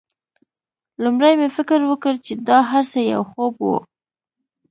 لومړی مې فکر وکړ چې دا هرڅه یو خوب و